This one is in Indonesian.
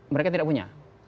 mereka tidak punya